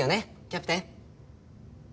キャプテン。